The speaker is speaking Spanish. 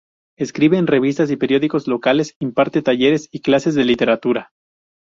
Escribe en revistas y periódicos locales, imparte talleres y clases de literatura.